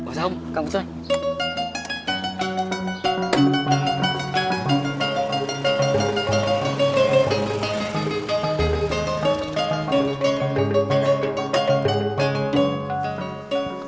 masa um kakak kesel